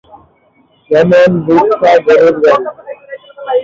যেমন, রিকশা, গরুর গাড়ি।